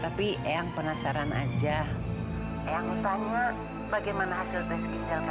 tapi yang penasaran aja yang tanya bagaimana hasil tes